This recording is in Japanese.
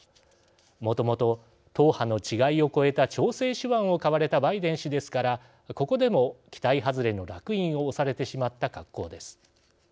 もともと党派の違いを超えた調整手腕をかわれたバイデン氏ですからここでも期待外れのらく印を押されてしまった格好です。